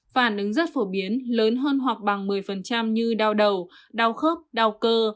phản ứng rất phổ biến lớn hơn hoặc bằng một mươi như đau đầu đau khớp đau cơ